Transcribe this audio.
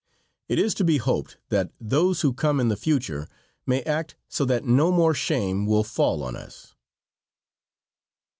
It is to be hoped that those who come in the future may act so that no more shame will fall on us.